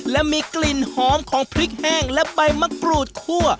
และมีกลิ่นหอมของพริกแห้งและใบมะกรูดคั่ว